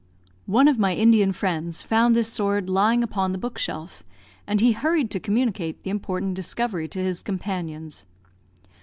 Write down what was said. One of my Indian friends found this sword lying upon the bookshelf, and he hurried to communicate the important discovery to his companions.